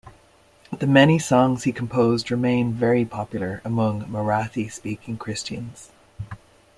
The many songs he composed remain very popular among Marathi speaking Christians.